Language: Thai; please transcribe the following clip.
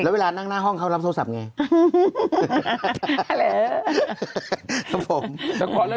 แล้วเวลานั่งหน้าห้องเขารับโทรศัพท์ไง